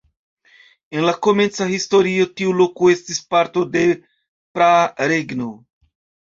En la komenca historio tiu loko estis parto de praa regno.